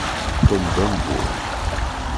Tom d ambur.